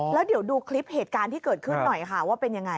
แล้วเดี๋ยวดูคลิปเหตุการณ์ที่เกิดขึ้นหน่อยค่ะว่าเป็นยังไง